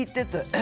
え？